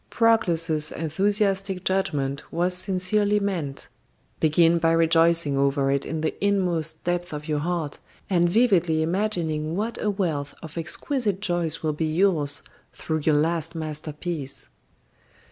"Proclus's enthusiastic judgment was sincerely meant. Begin by rejoicing over it in the inmost depths of your heart, and vividly imagining what a wealth of exquisite joys will be yours through your last masterpiece."